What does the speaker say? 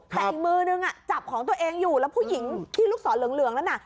แต่อีกมือนึงจับของตัวเองอยู่แล้วผู้หญิงที่ลูกศรเหลืองนั้นน่ะ